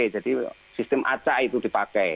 jadi sistem acak itu dipakai